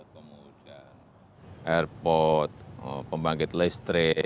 kemudian airport pembangkit listrik